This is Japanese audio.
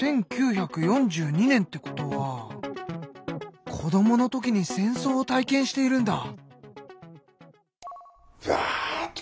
１９４２年ってことは子どもの時に戦争を体験しているんだ！